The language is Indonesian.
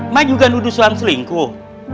mak juga nuduh sulam selingkuh